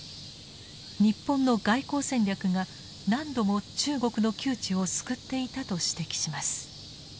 日本の外交戦略が何度も中国の窮地を救っていたと指摘します。